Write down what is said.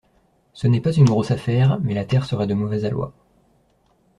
Ce n’est pas une grosse affaire, mais la taire serait de mauvais aloi.